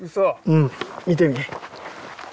うん見てみ。